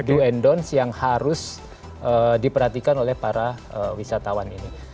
do and don'ts yang harus diperhatikan oleh para wisatawan ini